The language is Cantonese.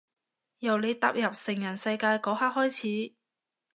由你踏入成人世界嗰刻開始